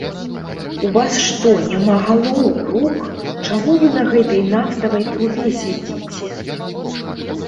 У вас, што, няма галоў, рук, чаго вы на гэтай нафтавай трубе сядзіце?